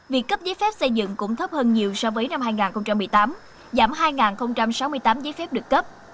việc cấp giấy phép xây dựng cũng thấp hơn nhiều so với năm hai nghìn một mươi tám giảm hai sáu mươi tám giấy phép được cấp